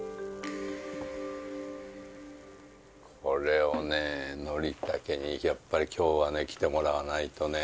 これをね憲武にやっぱり今日はね着てもらわないとね。